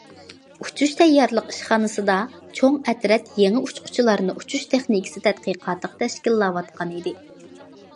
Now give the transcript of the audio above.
ئۇچۇش تەييارلىق ئىشخانىسىدا، چوڭ ئەترەت يېڭى ئۇچقۇچىلارنى ئۇچۇش تېخنىكىسى تەتقىقاتىغا تەشكىللەۋاتقان ئىدى.